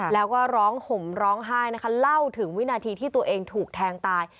แล้วก็ร้องห่มร้องไห้นะคะเล่าถึงวินาทีที่ตัวเองถูกแทงตาย